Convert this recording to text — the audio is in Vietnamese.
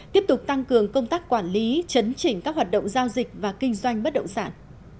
tiếp tục tăng cường công tác quản lý chấn chỉnh các hoạt động giao dịch và kinh doanh bất động sản